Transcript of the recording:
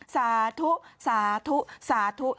สาธุสาธุสาธุ